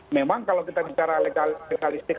memang kalau kita bicara legalistik